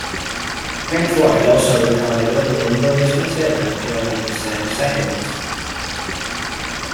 Pink Floyd also recorded other unreleased material during the same sessions.